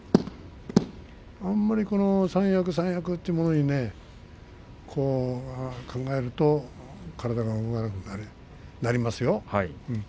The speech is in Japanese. あんまり三役三役というものにこう考えると体が動かなくなりますよ。